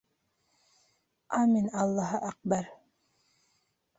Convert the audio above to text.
Амин аллаһа әкбәр!